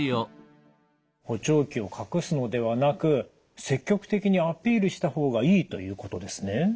補聴器を隠すのではなく積極的にアピールした方がいいということですね。